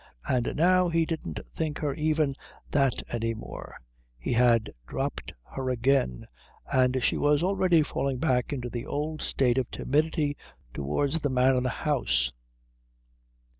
And now he didn't think her even that any more; he had dropped her again, and she was already falling back into the old state of timidity towards the man in the house.